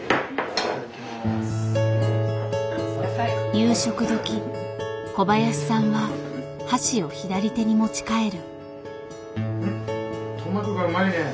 夕食時小林さんは箸を左手に持ち替える。